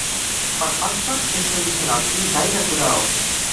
Per Pasqua és tradicional pintar i decorar ous.